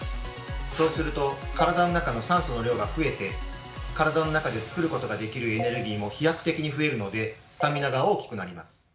そうすると体の中の酸素の量が増えて体の中で作ることができるエネルギーも飛躍的に増えるのでスタミナが大きくなります。